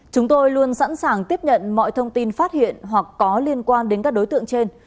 chúng tôi luôn sẵn sàng tiếp nhận mọi thông tin phát hiện hoặc có liên quan đến các đối tượng trên